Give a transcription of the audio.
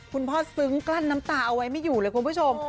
ซึ้งกลั้นน้ำตาเอาไว้ไม่อยู่เลยคุณผู้ชม